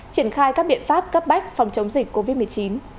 triển khai các biện pháp cấp bách phòng chống dịch covid một mươi chín